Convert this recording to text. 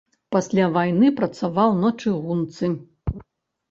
Пасля вайны працаваў на чыгунцы.